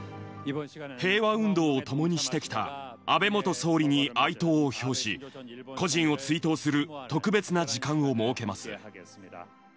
平和運動を共にしてきた安倍元総理に哀悼を表し、故人を追悼する特別な時間を設けます。